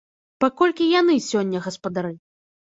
Паколькі яны сёння гаспадары.